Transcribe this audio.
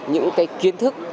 những kiến thức